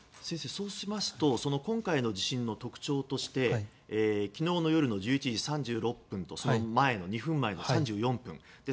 先生、そうしますと今回の地震の特徴として昨日の夜の１１時３６分とその前の２分前の３４分。